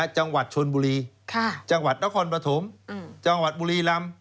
จังหวัดชนบุรีจังหวัดนครปฐมจังหวัดบุรีรำ